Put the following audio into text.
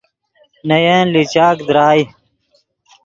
نے ین لیچاک درائے